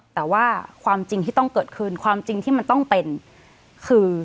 แต่ว่าความจริงที่ต้องเกิดขึ้นความจริงที่มันต้องเป็นคือ